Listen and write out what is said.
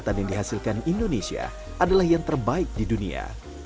dan yang dihasilkan indonesia adalah yang terbaik di dunia